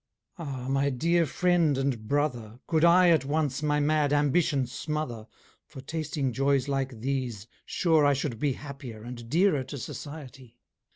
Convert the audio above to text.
Ah, my dear friend and brother, Could I, at once, my mad ambition smother, For tasting joys like these, sure I should be Happier, and dearer to society.